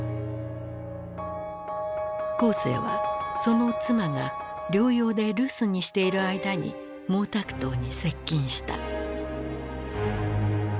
江青はその妻が療養で留守にしている間に毛沢東に接近した。